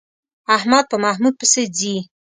احمد په محمود پسې ځي.